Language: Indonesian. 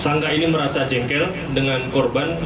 sangga ini merasa jengkel dengan korban